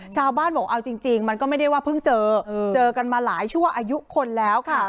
ชาวบ้านบอกเอาจริงมันก็ไม่ได้ว่าเพิ่งเจอเจอกันมาหลายชั่วอายุคนแล้วค่ะ